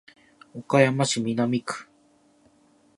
岡山市南区